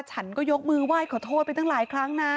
ฉันก็ยกมือไหว้ขอโทษไปตั้งหลายครั้งนะ